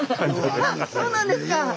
あそうなんですか。